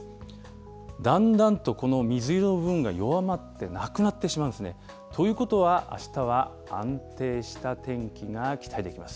だんだんとこの水色の部分が弱まって、なくなってしまうんですね。ということは、あしたは安定した天気が期待できます。